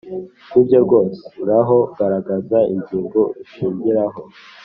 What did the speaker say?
ni byo rwose, ngaho garagaza ingingo ushingiraho.